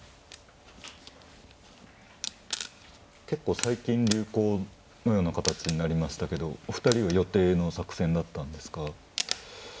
結構最近流行のような形になりましたけどお二人は予定の作戦だったんですか。